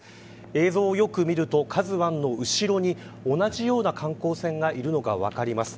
映像をよく見るとＫＡＺＵ１の後ろに同じような観光船がいるのが分かります。